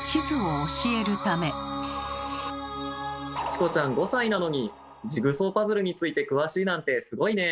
チコちゃん５歳なのにジグソーパズルについて詳しいなんてすごいね。